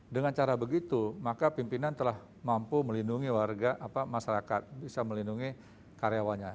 dengan cara begitu maka pimpinan telah mampu melindungi warga masyarakat bisa melindungi karyawannya